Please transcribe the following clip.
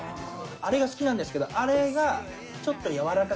あれが好きなんですけど。